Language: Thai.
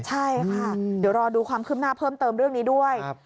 ใช่ค่ะเดี๋ยวรอดูความคืบหน้าเพิ่มเติมเรื่องนี้ด้วย